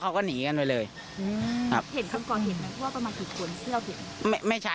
กับคุณเนติชา